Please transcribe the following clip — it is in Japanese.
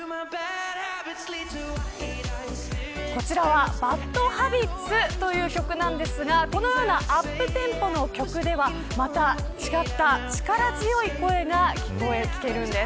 こちらはＢａｄＨａｂｉｔｓという曲なんですがこのようなアップテンポの曲ではまた違った力強い声がきけるんです。